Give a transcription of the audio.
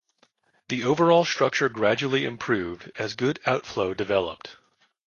The overall structure gradually improved as good outflow developed.